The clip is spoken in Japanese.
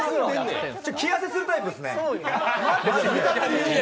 着痩せするタイプっすね。